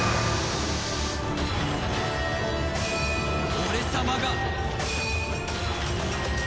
俺様が。